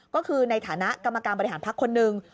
ก็คือในฐานะกรรมการบริหารพักคนหนึ่ง